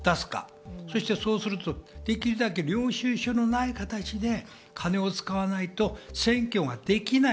その金をいったい誰が出すか、できるだけ領収書のない形で金を使わないと選挙ができない。